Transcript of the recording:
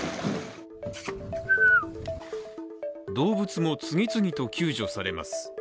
動物も次々と救助されます。